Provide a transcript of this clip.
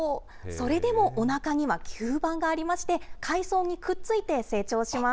それでもおなかには吸盤がありまして、海藻にくっついて成長しま